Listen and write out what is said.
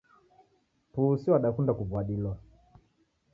Pusi wadakunda kuw'uadilwa